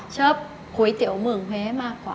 เชิปคุยเตี๋ยวเมืองเวมากกว่า